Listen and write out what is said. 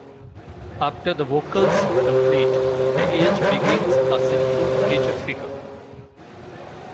After the vocals complete, The Edge begins a simple guitar figure.